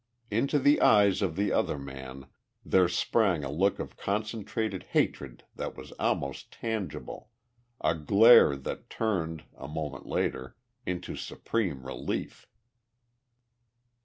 Into the eyes of the other man there sprang a look of concentrated hatred that was almost tangible a glare that turned, a moment later, into supreme relief.